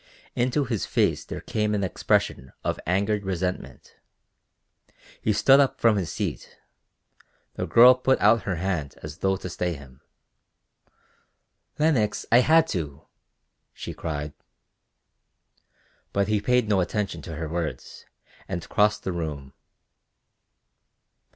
Into his face there came an expression of angered resentment. He stood up from his seat; the girl put out her hand as though to stay him: "Lenox, I had to," she cried. But he paid no attention to her words and crossed the room.